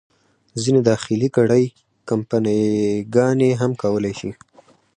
ځینې داخلي کړۍ، کمپني ګانې هم کولای شي.